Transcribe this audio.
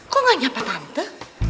kok gak nyapa tante